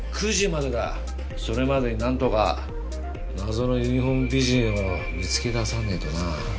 それまでになんとか謎のユニホーム美人を見つけ出さねえとな。